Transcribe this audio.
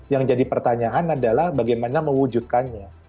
yang jadi pertanyaan adalah bagaimana mewujudkannya